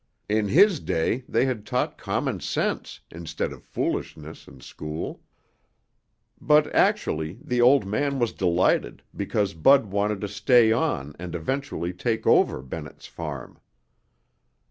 In his day they had taught common sense instead of foolishness in school. But actually the old man was delighted because Bud wanted to stay on and eventually take over Bennett's Farm.